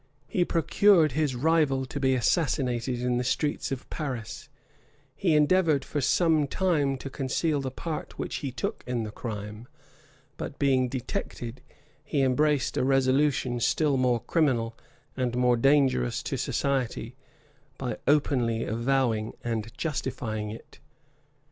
He procured his rival to be assassinated in the streets of Paris: he endeavored for some time to conceal the part which he took in the crime; but being detected, he embraced a resolution still more criminal and more dangerous to society, by openly avowing and justifying it.